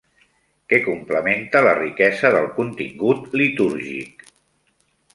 Què complementa la riquesa del contingut litúrgic?